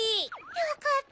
よかった。